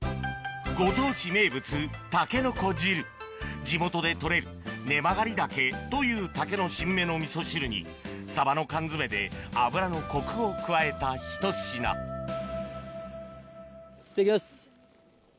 ご当地名物地元で採れる根曲がり竹という竹の新芽の味噌汁にサバの缶詰で脂のコクを加えたひと品いただきます。